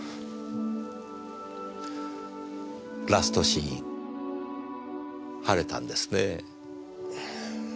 ラストシーン晴れたんですねぇ。